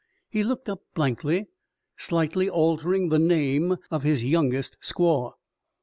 He looked up blankly, slightly altering the name of his youngest squaw.